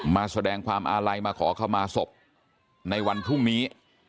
มาแสดงความอาลัยมาขอเข้ามาศพในวันพรุ่งนี้